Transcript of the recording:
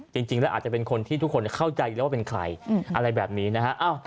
จริงแล้วอาจจะเป็นคนที่ทุกคนเข้าใจอยู่แล้วว่าเป็นใครอะไรแบบนี้นะฮะ